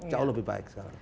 jauh lebih baik sekarang